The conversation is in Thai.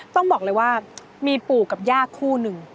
ต้องบอกเลยว่ามีปู่กับย่าคู่หนึ่ง